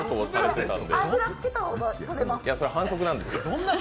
いや、それ反則なんですよ。